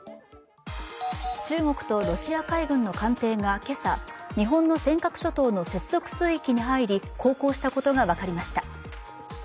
中国とロシア海軍の艦艇が今朝、日本の尖閣諸島の接続水域に入り航行したことが分かりました。